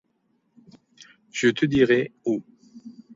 Je te dirai où.